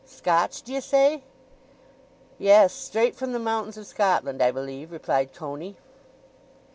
—Scotch, d'ye say?" "Yes, straight from the mountains of Scotland, I believe," replied Coney.